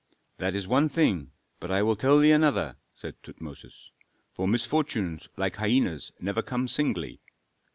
"That is one thing, but I will tell thee another," said Tutmosis, "for misfortunes, like hyenas, never come singly.